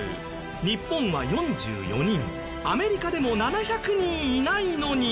日本は４４人アメリカでも７００人いないのに。